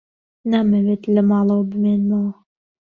نامەوێت لە ماڵەوە بمێنمەوە.